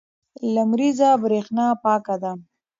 لمریزه برېښنا پاکه ده.